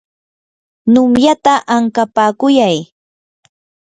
numyata ankapakuyay.